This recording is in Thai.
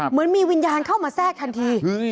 เหมือนมีวิญญาณเข้ามาแทรกทันที